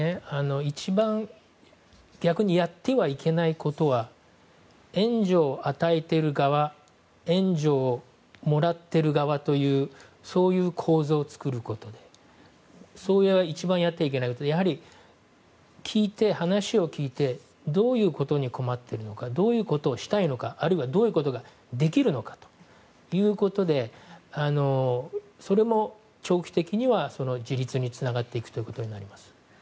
一番逆にやってはいけないことは援助を与えている側援助をもらっている側というそういう構造を作ることでそれは一番やってはいけないことで話を聞いてどういうことに困ってるのかどういうことをしたいのかあるいは、どういうことができるのかということでそれも長期的には自立につながっていくことになります。